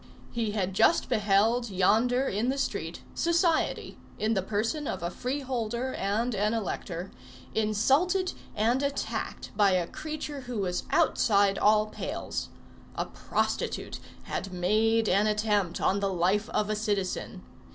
He had just beheld, yonder, in the street, society, in the person of a freeholder and an elector, insulted and attacked by a creature who was outside all pales. A prostitute had made an attempt on the life of a citizen.